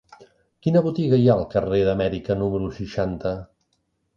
Quina botiga hi ha al carrer d'Amèrica número seixanta?